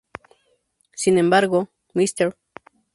Sin embargo, Mr.